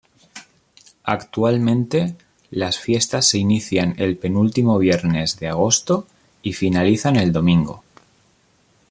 Actualmente, las fiestas se inician el penúltimo viernes de agosto y finalizan el domingo.